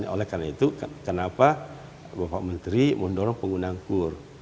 oleh karena itu kenapa bapak menteri mendorong penggunaan kur